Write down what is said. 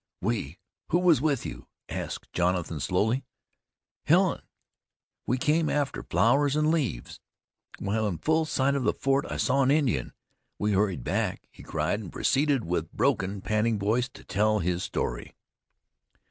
"We? Who was with you?" asked Jonathan slowly. "Helen. We came after flowers and leaves. While in full sight of the fort I saw an Indian. We hurried back," he cried, and proceeded with broken, panting voice to tell his story.